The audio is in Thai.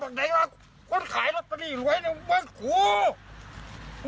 ตลาดแสนแองเรื่องมันคุณ